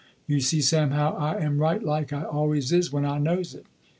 You see Sam, how I am right like I always is when I knows it.